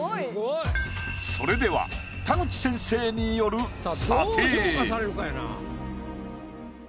それでは田口先生による査定。